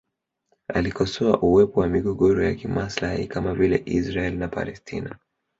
Alikosoa uwepo wa migogoro ya kimaslahi kama vile Israel na Palestina